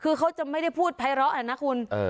คือเขาจะไม่ได้พูดไพร้เลาะอ่ะนะคุณเออ